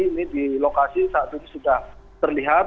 ini di lokasi saat ini sudah terlihat